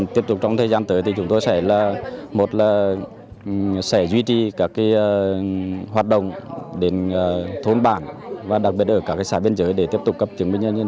tiếp tục trong thời gian tới chúng tôi sẽ duy trì các hoạt động đến thôn bản đặc biệt ở các xã biên giới để tiếp tục cập chứng minh nhân dân